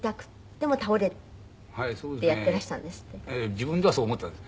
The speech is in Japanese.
自分ではそう思ってます。